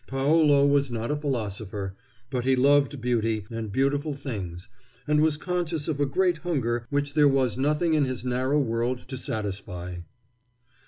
Paolo was not a philosopher, but he loved beauty and beautiful things, and was conscious of a great hunger which there was nothing in his narrow world to satisfy.